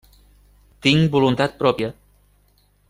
Tinc voluntat pròpia.